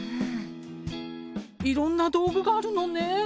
いろんな道具があるのね。